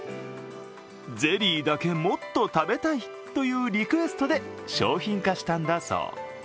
ゼリーだけもっと食べたいというリクエストで商品化したんだそう。